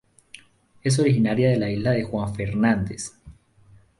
Es originaria de la isla Juan Fernandez.